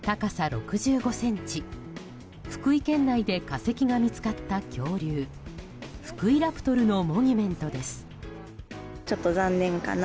６５ｃｍ福井県内で化石が見つかった恐竜、フクイラプトルのモニュメントです。